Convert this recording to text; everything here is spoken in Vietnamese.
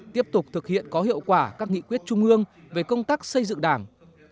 tiếp tục thực hiện có hiệu quả các nghị quyết trung ương về công tác xây dựng đảng